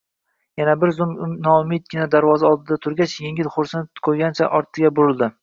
Yana bir zum noumidgina darvoza oldida turgach, engil xo`rsinib qo`ygancha, ortiga burildi